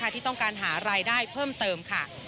ที่ต้องการหารายได้เพิ่มเติมค่ะ